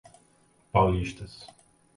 Paulistas